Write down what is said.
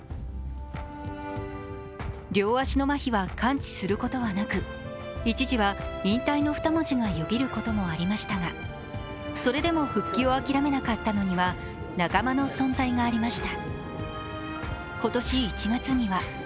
両足のまひは完治することはなく引退の二文字がよぎることもありましたがそれでも復帰を諦めなかったのには、仲間の存在がありました。